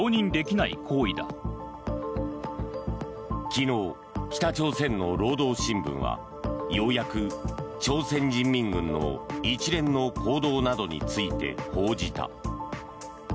昨日、北朝鮮の労働新聞はようやく朝鮮人民軍の一連の行動などについて報じた。